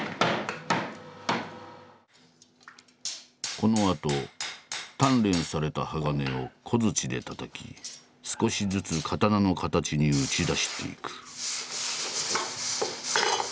このあと鍛錬された鋼を小槌でたたき少しずつ刀の形に打ち出していく。